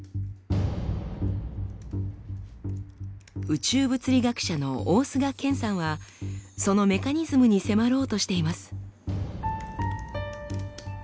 宇宙物理学者の大須賀健さんはそのメカニズムに迫ろうとしています。